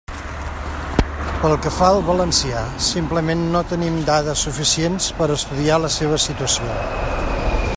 Pel que fa al valencià, simplement no tenim dades suficients per a estudiar la seua situació.